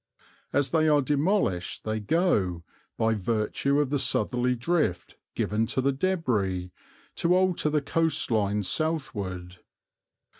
As they are demolished they go, by virtue of the southerly drift given to the débris, to alter the coastline southward.